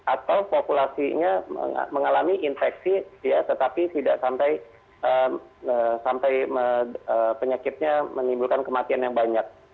atau populasinya mengalami infeksi tetapi tidak sampai penyakitnya menimbulkan kematian yang banyak